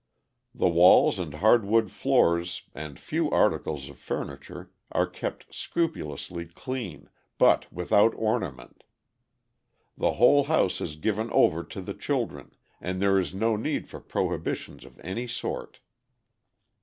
The walls and hard wood floors and few articles of furniture are kept scrupulously clean, but without ornament. The whole house is given over to the children, and there is no need for prohibitions of any sort.